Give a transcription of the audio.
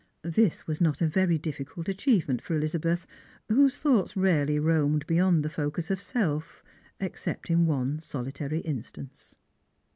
This was not a very difficiilt achievement for Elizabeth, whose thoughts rarely roamed beyond the focus of self, except in one sohtary instance.